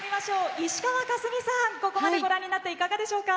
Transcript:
石川佳純さん、ここまでご覧になっていかがですか？